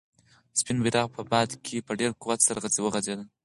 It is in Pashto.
سپین بیرغ په باد کې په ډېر قوت سره غوځېده.